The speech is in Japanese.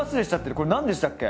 これ何でしたっけ？